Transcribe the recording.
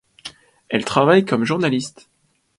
Elle travaille comme journaliste.